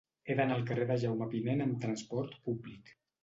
He d'anar al carrer de Jaume Pinent amb trasport públic.